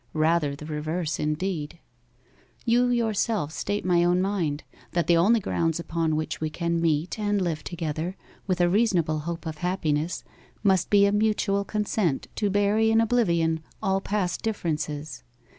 rather the reverse, indeed. '"You yourself state my own mind that the only grounds upon which we can meet and live together, with a reasonable hope of happiness, must be a mutual consent to bury in oblivion all past differences.